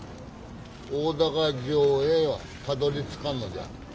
大高城へはたどりつかんのじゃ。